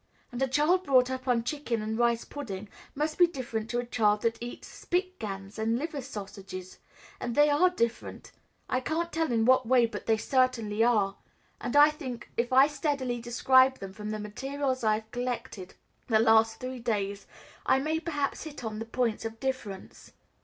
And a child brought up on chicken and rice pudding must be different to a child that eats Spickgans and liver sausages. And they are different; I can't tell in what way, but they certainly are; and I think if I steadily describe them from the materials I have collected the last three days, I may perhaps hit on the points of difference."